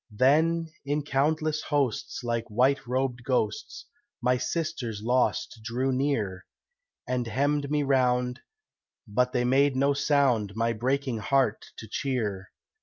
Then in countless hosts, like white robed ghosts, My sisters lost drew near, And hemmed me round, but they made no sound My breaking heart to cheer.